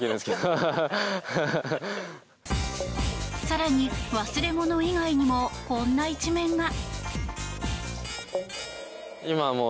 更に、忘れ物以外にもこんな一面が。